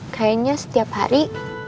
kayaknya setiap hari